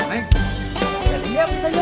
jangan diam diam ya